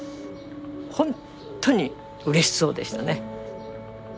本当にうれしそうでしたね。